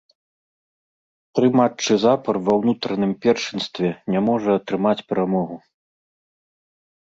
Тры матчы запар ва ўнутраным першынстве не можа атрымаць перамогу.